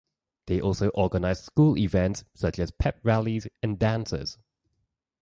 They also organize school events such as pep rallies and dances.